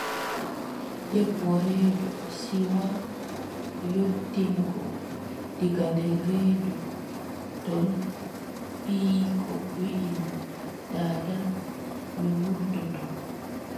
Debbo reedu, siwaa yottingo, diga nder reedu ton ɓiyiiko wiʼi mo: daada mi wurtoto.